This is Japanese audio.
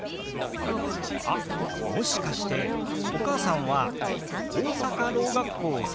あっもしかしてお母さんは大阪ろう学校卒業ですか？